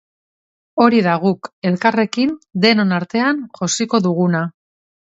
Hori da guk, elkarrekin, denon artean, josiko duguna.